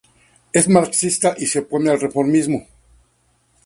Es marxista y se opone al reformismo.